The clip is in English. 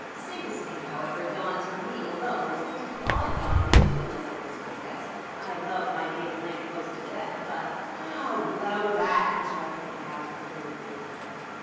Sing Sing, however, yawns for me alone; it's going to keep on yawning, too, unless I miss my guess. I love my native land most to death, but ..." "Ow, blow that!" interrupted the captain irritably.